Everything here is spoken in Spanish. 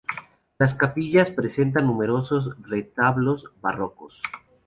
Las capillas presentan numerosos retablos barrocos.